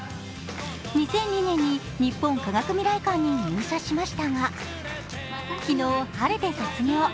２００２年に日本科学未来館に入社しましたが昨日、晴れて卒業。